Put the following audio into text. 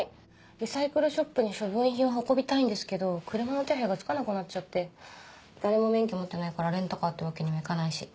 リサイクルショップに処分品を運びたいんですけど車の手配がつかなくなっちゃって誰も免許持ってないからレンタカーってわけにもいかないし。